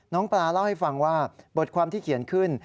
น้องปลาเล่าให้ฟังว่าบทความที่เขียนขึ้น